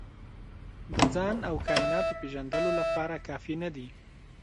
د ځان او کایناتو پېژندلو لپاره کافي نه دي.